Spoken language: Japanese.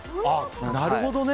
なるほどね。